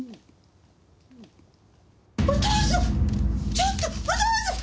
ちょっとお父さん！